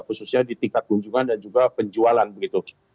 khususnya di tingkat kunjungan dan juga penjualan begitu